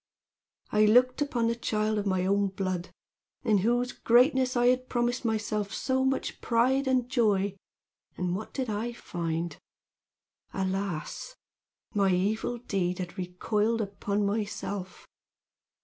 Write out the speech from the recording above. I looked upon the child of my own blood, in whose greatness I had promised myself so much pride and joy, and what did I find? Alas! my evil deed had recoiled upon myself.